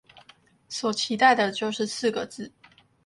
所期待的就是四個字